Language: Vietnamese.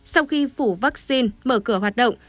sau khi phủ vaccine mở cửa hoạt động